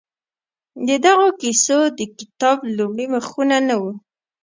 د دغو کیسو د کتاب لومړي مخونه نه وو؟